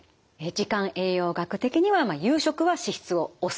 時間栄養学的には夕食は脂質を抑える。